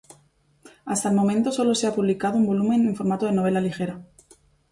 Hasta el momento solo se ha publicado un volumen en formato de novela ligera.